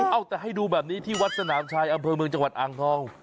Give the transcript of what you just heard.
เอ้าแต่ให้ดูแบบนี้ที่วัดสนามชายอำเภอเมืองจังหวัดอ่างทอง